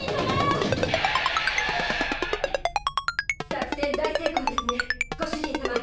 作戦大成功ですねご主人さま。